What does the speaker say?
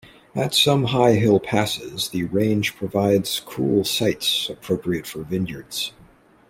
At some high hill passes the range provides cool sites appropriate for vineyards.